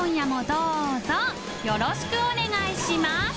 どうぞよろしくお願いします森）